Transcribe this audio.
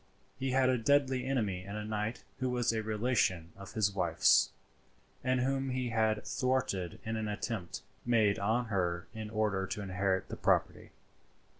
He had a deadly enemy in a knight who was a relation of his wife's, and whom he had thwarted in an attempt made on her in order to inherit the property.